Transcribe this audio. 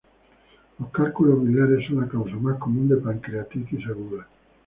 Los cálculos biliares son la causa más común de pancreatitis aguda.